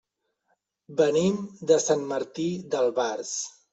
Venim de Sant Martí d'Albars.